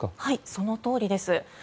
そのとおりです。